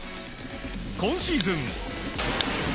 今シーズン。